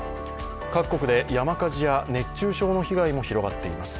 各国で山火事や熱中症の被害も広がっています。